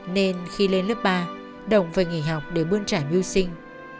nên khi lên lớp ba đồng phải nghỉ học để buôn trả mưu sinh